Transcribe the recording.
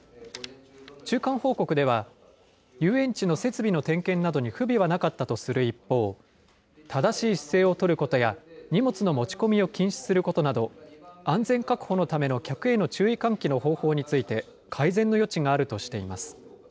中間報告では、遊園地の設備の点検などに不備はなかったとする一方、正しい姿勢を取ることや、荷物の持ち込みを禁止することなど、安全確保のための客への注意喚起の方法について、改善の余地があるとしています。